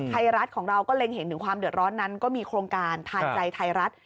ไทยรัฐของเราก็เล็งเห็นถึงความเดือดร้อนนั้นก็มีโครงการทานใจไทยรัฐ